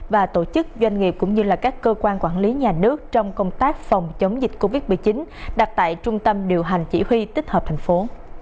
và tổ chức doanh nghiệp cũng như các cơ quan quản lý nhà nước trong công tác phòng chống dịch covid một mươi chín đặt tại trung tâm điều hành chỉ huy tích hợp thành phố